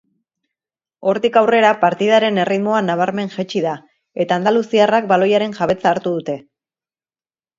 Hortik aurrera partidaren erritmoa nabarmen jaitsi da eta andaluziarrak baloiaren jabetza hartu dute.